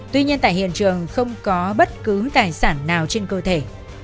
tuy nhiên tại hiện trường không có bất cứ tài sản nào trên cơ thể